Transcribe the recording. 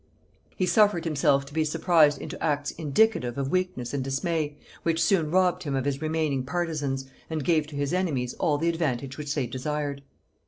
He suffered himself to be surprised into acts indicative of weakness and dismay, which soon robbed him of his remaining partisans, and gave to his enemies all the advantage which they desired.